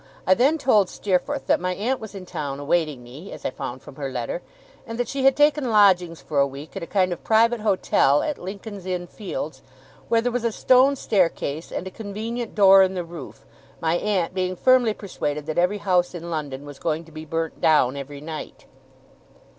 I then told Steerforth that my aunt was in town awaiting me (as I found from her letter), and that she had taken lodgings for a week at a kind of private hotel at Lincoln's Inn Fields, where there was a stone staircase, and a convenient door in the roof; my aunt being firmly persuaded that every house in London was going to be burnt down every night.